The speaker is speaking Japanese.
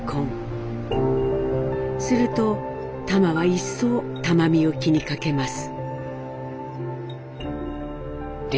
するとタマは一層玉美を気に掛けます。